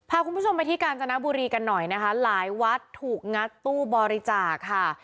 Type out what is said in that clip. พาคุณผู้ชมไปที่กาญจนบุรีกันหน่อยนะคะหลายวัดถูกงัดตู้บริจาคค่ะ